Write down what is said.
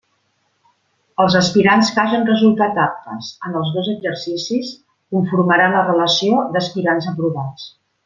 Els aspirants que hagen resultat aptes en els dos exercicis conformaran la relació d'aspirants aprovats.